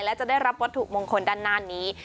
และจะได้รับวัตถุมงคลด้านหน้านี้